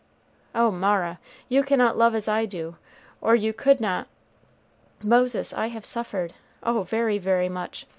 Oh, Mara, you cannot love as I do, or you could not" "Moses, I have suffered, oh, very, very much.